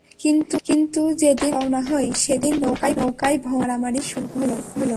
কিন্তু যেদিন আমরা রওনা হই, সেদিন নৌকায় ভয়ংকর মারামারি শুরু হলো।